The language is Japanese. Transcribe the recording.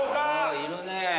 あいるね。